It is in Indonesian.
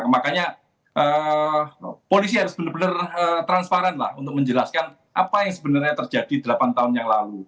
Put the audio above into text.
makanya polisi harus benar benar transparan lah untuk menjelaskan apa yang sebenarnya terjadi delapan tahun yang lalu